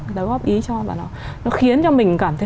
người ta góp ý cho và nó khiến cho mình cảm thấy